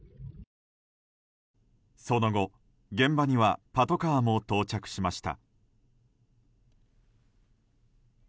その後、現場にはパトカーも到着しました。